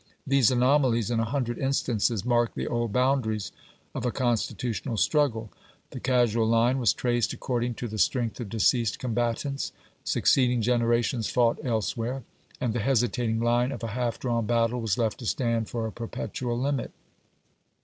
These anomalies, in a hundred instances, mark the old boundaries of a constitutional struggle. The casual line was traced according to the strength of deceased combatants; succeeding generations fought elsewhere; and the hesitating line of a half drawn battle was left to stand for a perpetual limit.